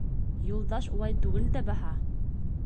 Юлдаш улай түгел дә баһа.